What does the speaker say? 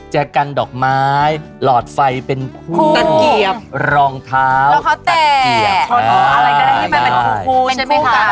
แจกกันดอกไม้หลอดไฟเป็นคู่รองเท้าตัดเกียบใช่ใช่ใช่ใช่ใช่ใช่ใช่